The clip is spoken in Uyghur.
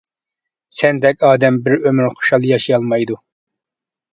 سەندەك ئادەم بىر ئۆمۈر خۇشال ياشىيالمايدۇ.